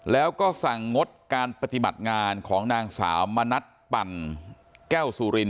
แล้วก็สั่งงดการปฏิบัติงานของนางสาวมณัฐปั่นแก้วสุริน